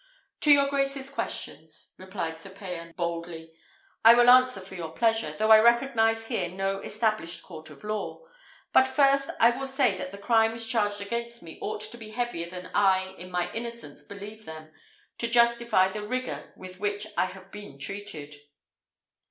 "To your grace's questions," replied Sir Payan, boldly, "I will answer for your pleasure, though I recognise here no established court of law; but first, I will say that the crimes charged against me ought to be heavier than I, in my innocence believe them, to justify the rigour with which I have been treated."